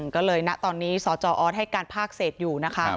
ก็เลยตอนนี้สอให้การพากเศษอยู่